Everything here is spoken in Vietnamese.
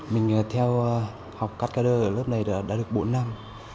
mình theo học cát cà đơ ở lớp này đã được bốn năm